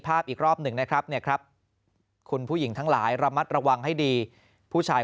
อีกรอบหนึ่งนะครับเนี่ยครับคุณผู้หญิงทั้งหลายระมัดระวังให้ดีผู้ชาย